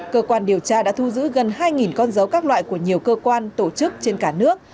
cơ quan điều tra đã thu giữ gần hai con dấu các loại của nhiều cơ quan tổ chức trên cả nước